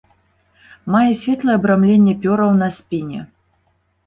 Мае светлае абрамленне пёраў на спіне.